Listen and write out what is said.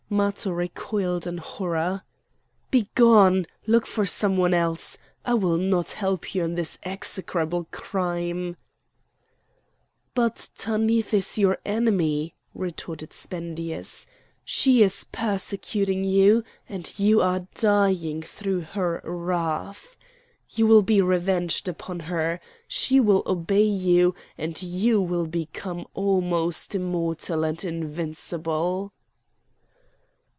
Matho recoiled in horror. "Begone! look for some one else! I will not help you in this execrable crime!" "But Tanith is your enemy," retorted Spendius; "she is persecuting you and you are dying through her wrath. You will be revenged upon her. She will obey you, and you will become almost immortal and invincible."